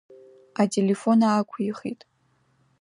Ателефон аақәихит.